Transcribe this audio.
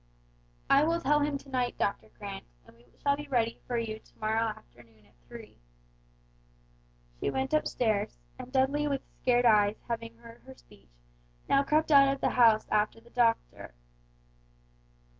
"I will tell him to night, Doctor Grant, and we shall be ready for you to morrow afternoon at three." She went upstairs, and Dudley with scared eyes having heard her speech now crept out of the house after the doctor.